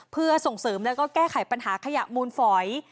เพื่อส่งเสริมแล้วก็แก้ไขปัญหาขยะมูลฝอย